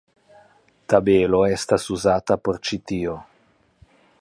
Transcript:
Tabelo estas uzata por ĉi tio.